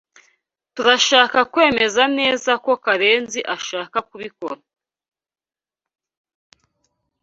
Turashaka kwemeza neza ko Karenziashaka kubikora.